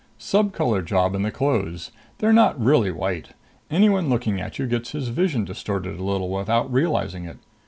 "Subcolor job in the clothes. They're not really white. Anyone looking at you gets his vision distorted a little without realizing it.